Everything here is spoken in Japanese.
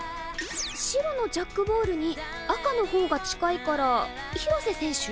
白のジャックボールに赤の方が近いから廣瀬選手？